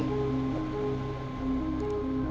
dan ikut cari uang